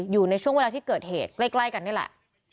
อยู่ในช่วงเวลาที่เกิดเหตุใกล้กันนี่แหละ